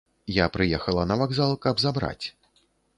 Я прыехала на вакзал, каб забраць.